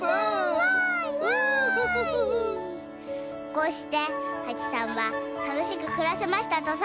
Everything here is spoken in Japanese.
こうしてはちさんはたのしくくらせましたとさ。